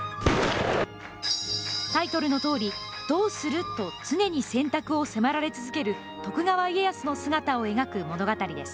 タイトルのとおりどうする？と常に選択を迫られ続ける徳川家康の姿を描く物語です。